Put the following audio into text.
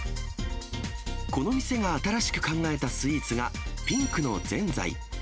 この店が新しく考えたスイーツが、ピンクのぜんざい。